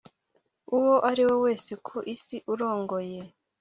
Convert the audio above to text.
uwo ari we wese ku isi urongoye